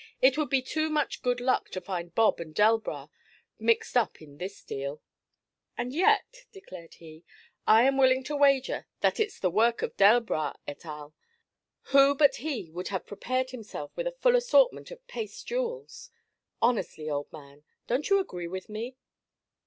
'It would be too much good luck to find Bob and Delbras mixed up in this deal.' 'And yet,' declared he, 'I am willing to wager that it's the work of Delbras et al. Who but he would have prepared himself with a full assortment of paste jewels. Honestly, old man, don't you agree with me?'